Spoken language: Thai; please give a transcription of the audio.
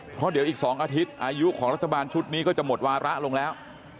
เพราะเดี๋ยวอีก๒อาทิตย์อายุของรัฐบาลชุดนี้ก็จะหมดวาระลงแล้ว